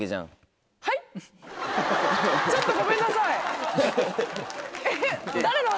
ちょっとごめんなさいえっ？